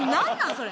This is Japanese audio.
それ。